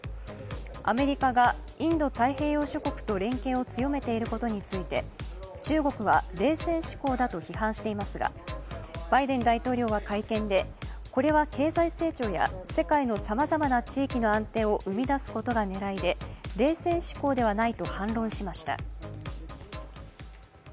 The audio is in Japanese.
アメリカがインド太平洋諸国と連携を強めていることについて中国は冷戦思考だと批判していますか、バイデン大統領は会見で、これは経済成長や世界のさまざまな地域の安定を生み出すことが狙いで冷戦思考ではないと反論しました。